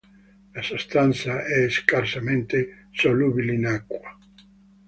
La sostanza è scarsamente solubile in acqua.